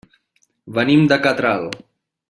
Venim de Catral.